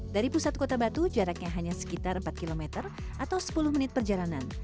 dari pusat kota batu jaraknya hanya sekitar empat km atau sepuluh menit perjalanan